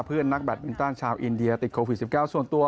นักแบตมินตันชาวอินเดียติดโควิด๑๙ส่วนตัว